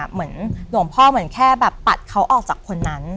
เหมือนหนุ่มพ่อแบบแบบปัดเขาออกจากคนนั้น